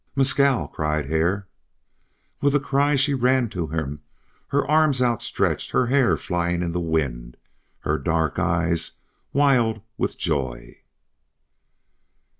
"Mescal!" cried Hare. With a cry she ran to him, her arms outstretched, her hair flying in the wind, her dark eyes wild with joy.